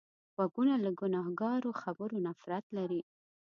غوږونه له ګناهکارو خبرو نفرت لري